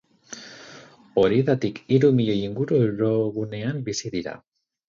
Horietatik, hiru milioi inguru eurogunean bizi dira.